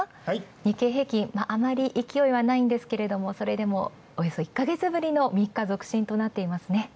日経平均、あまり勢いはないんですがそれでもおよそ１ヶ月ぶりの３日続伸となっていますね。